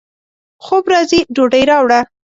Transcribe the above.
خوب راځي ، ډوډۍ راوړه